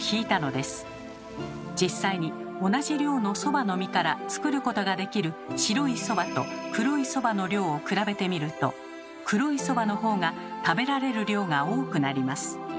実際に同じ量のそばの実から作ることができる白いそばと黒いそばの量を比べてみると黒いそばの方が食べられる量が多くなります。